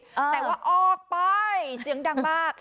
แต่ว่าออกไปเสียงดังมาก